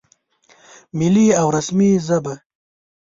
ملي او رسمي ژبه